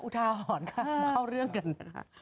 อุทาหอนค่ะเข้าเรื่องกันนะค่ะ